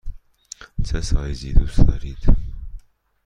چه سایزی دوست دارید؟